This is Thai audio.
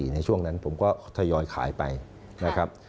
ในช่วงนั้นผมก็ทยอยขายไปนะครับ